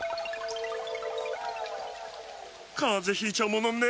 かぜひいちゃうものね。